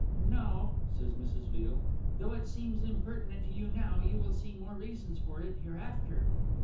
"No," says Mrs. Veal; "though it seems impertinent to you now, you will see more reasons for it hereafter."